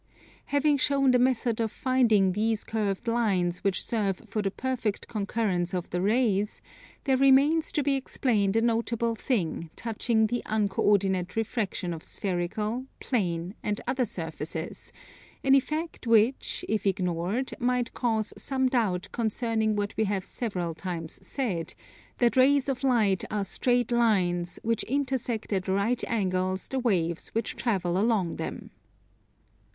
Having shown the method of finding these curved lines which serve for the perfect concurrence of the rays, there remains to be explained a notable thing touching the uncoordinated refraction of spherical, plane, and other surfaces: an effect which if ignored might cause some doubt concerning what we have several times said, that rays of light are straight lines which intersect at right angles the waves which travel along them.